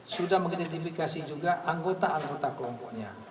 sudah mengidentifikasi juga anggota anggota kelompoknya